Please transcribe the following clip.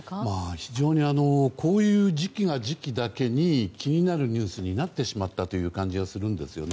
非常にこういう時期が時期だけに気になるニュースになってしまったという感じがするんですよね。